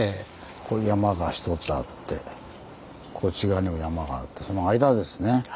ここ山が１つあってこっち側にも山があってその間ですね。